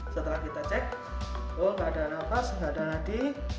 setelah kita cek oh nggak ada nafas nggak ada nadi